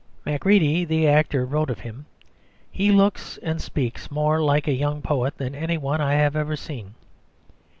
Macready, the actor, wrote of him: "He looks and speaks more like a young poet than any one I have ever seen."